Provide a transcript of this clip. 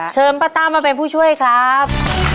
เชิญป้าต้ามาเป็นผู้ช่วยครับ